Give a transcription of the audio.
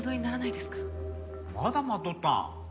まだ待っとったん？